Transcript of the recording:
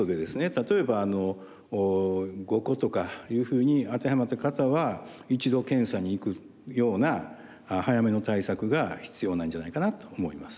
例えば５個とかいうふうに当てはまった方は一度検査に行くような早めの対策が必要なんじゃないかなと思います。